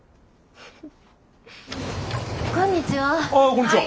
こんにちは。